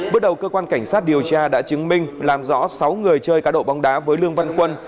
bước đầu cơ quan cảnh sát điều tra đã chứng minh làm rõ sáu người chơi cá độ bóng đá với lương văn quân